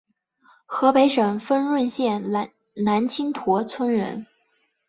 河北省丰润县南青坨村人。